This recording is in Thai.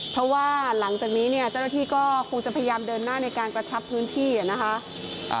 เพราะว่าหลังจากนี้เนี่ยเจ้าหน้าที่ก็คงจะพยายามเดินหน้าในการกระชับพื้นที่นะคะ